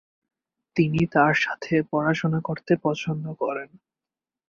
তিনি তাঁর সাথে পড়াশোনা করতে পছন্দ করেন।